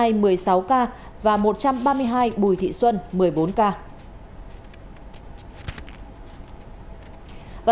từ giờ ngày hôm nay hà nội đã ghi nhận bốn trăm bốn mươi hai trường hợp dương tính với sars cov hai